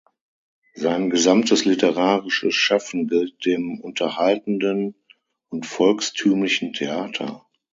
Sein gesamtes literarisches Schaffen gilt dem unterhaltenden und volkstümlichen Theater.